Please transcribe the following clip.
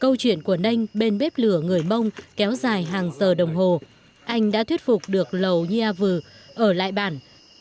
câu chuyện của ninh bên bếp lửa người mông kéo dài hàng giờ đồng hồ anh đã thuyết phục được lầu nhi a vử ở lại bàn